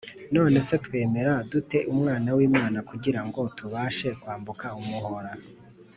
None se twemera dute Umwana w'Imana kugira ngo tubashe kwambuka umuhora